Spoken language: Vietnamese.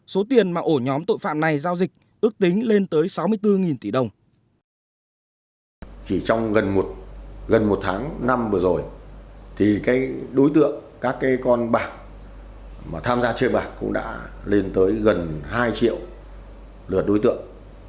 số tiền mà ổ nhóm tội phạm này giao dịch ước tính lên tới sáu mươi bốn tỷ đồng